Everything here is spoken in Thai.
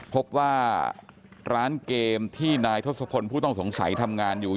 พบว่าร้านเกมที่นายทศพลผู้ต้องสงสัยทำงานอยู่